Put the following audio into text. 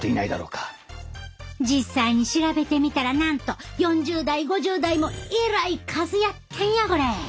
実際に調べてみたらなんと４０代５０代もえらい数やったんやこれ。